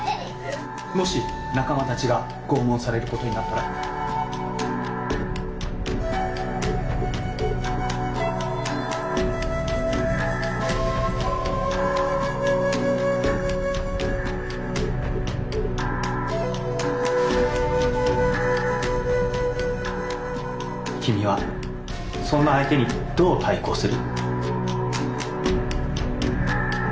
もし仲間たちが拷問されることになったら君はそんな相手にどう対抗する？